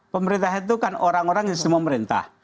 pemerintah itu kan orang orang yang sedemah pemerintah